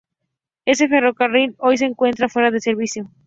Este ferrocarril hoy se encuentra fuera de servicio.